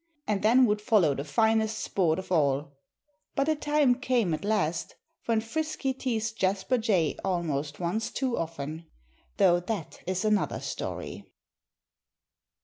And then would follow the finest sport of all. But a time came at last when Frisky teased Jasper Jay almost once too often, though that is another story.